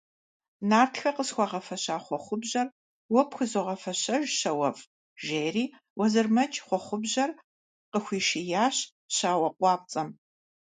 Нартхэ къысхуагъэфэща хъуэхъубжьэр уэ пхузогъэфэщэж, щауэфӏ, – жери Уэзырмэдж хъуэхъубжьэр къыхуишиящ щауэ къуапцӏэм.